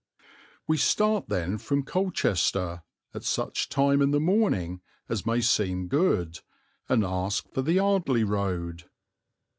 We start then from Colchester at such time in the morning as may seem good, and ask for the Ardleigh road.